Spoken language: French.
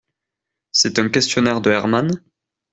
C’est un questionnaire de Herman?